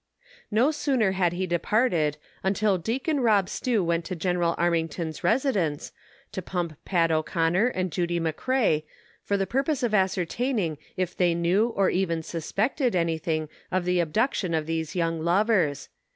No sooner had he departed until Deacon Rob Stew went to General Armington 's residence, to pump Pat O'Conner and Judy McCrea, for the purpose of ascertaining if they knew or even suspected anything of the abduction of these young lovers.